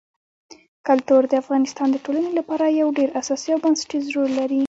کلتور د افغانستان د ټولنې لپاره یو ډېر اساسي او بنسټيز رول لري.